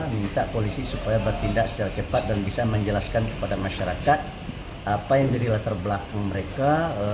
minta polisi supaya bertindak secara cepat dan bisa menjelaskan kepada masyarakat apa yang jadi latar belakang mereka